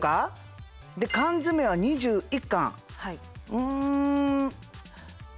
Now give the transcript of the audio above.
うん。